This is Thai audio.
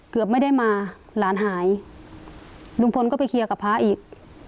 เกือบไม่ได้มาหลานหายลุงพลก็ไปเคลียร์กับพระอีก